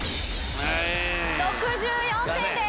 ６４点です。